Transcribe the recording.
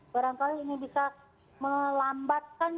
barangkali ini bisa melambatkan